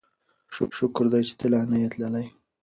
شکر دی چې ته لا نه یې تللی.